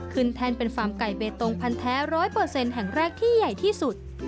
แท่นเป็นฟาร์มไก่เบตงพันธ์แท้๑๐๐แห่งแรกที่ใหญ่ที่สุด